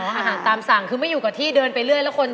อาหารตามสั่งคือไม่อยู่กับที่เดินไปเรื่อยแล้วคน